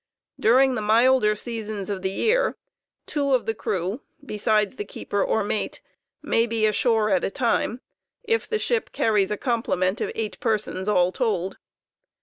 Duriug the milder seasons of the year, (toverall,K ,eave two of the crew, besides the keeper or mate, may be ashore at a time, if the ship car ries a complement of eight persons all told.